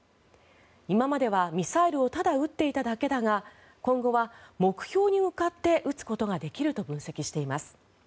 今まではミサイルをただ撃っていただけだが今後は目標に向かって撃つことができると分析しています。